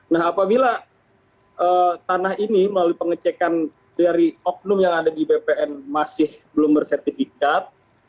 nah apabila tanah ini melalui pengecekan dari oknum yang ada di bpn masih belum bersertifikat